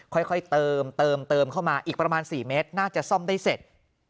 ค่อยเติมเข้ามาอีกประมาณ๔เมตรน่าจะซ่อมได้เสร็จ